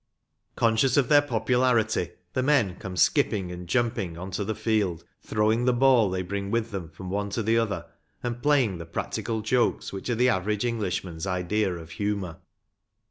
Conscious of their popu larity, the men come skipping and jumping on to the field, throwing the ball they bring with them from one to the other, and playing the practical jokes which are the average Englishman's idea of humour.